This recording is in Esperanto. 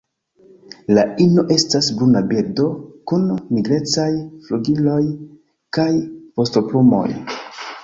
La ino estas bruna birdo kun nigrecaj flugiloj kaj vostoplumoj.